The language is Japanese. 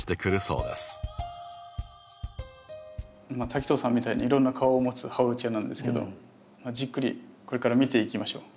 滝藤さんみたいにいろんな顔を持つハオルチアなんですけどじっくりこれから見ていきましょう。